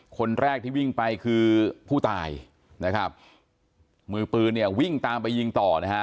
คนแรกที่วิ่งไปคือผู้ตายนะครับมือปืนเนี่ยวิ่งตามไปยิงต่อนะฮะ